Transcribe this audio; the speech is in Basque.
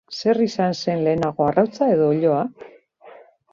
Zer izan zen lehenago arrautza edo oiloa?